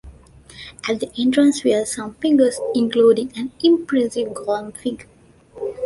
At the entrance were some figures including an impressive Gollum figure.